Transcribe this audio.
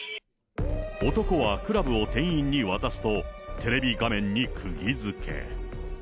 男はクラブを店員に渡すと、テレビ画面にくぎづけ。